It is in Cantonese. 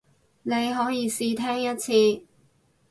你可以試聽一次